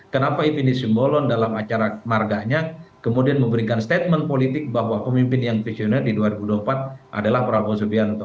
kenapa effendi simbolon dalam acara marganya kemudian memberikan statement politik bahwa pemimpin yang visioner di dua ribu dua puluh empat adalah prabowo subianto